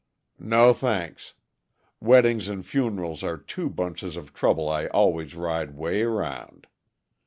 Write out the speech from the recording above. "No, thanks. Weddings and funerals are two bunches of trouble I always ride 'way around.